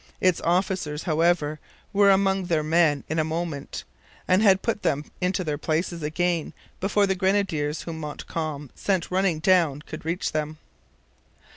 Its officers, however, were among their men in a moment, and had put them into their places again before the grenadiers whom Montcalm sent running down could reach them.